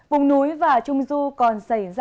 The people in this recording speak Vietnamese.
vùng núi và trung du còn rất đẹp